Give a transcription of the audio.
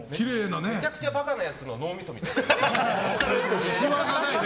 めちゃくちゃバカなやつの脳みそみたい。